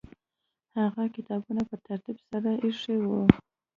هغه کتابونه په ترتیب سره ایښي وو.